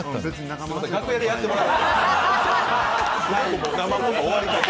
楽屋でやってもらえます？